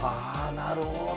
なるほど。